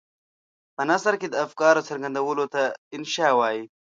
په نثر کې د افکارو څرګندولو ته انشأ وايي.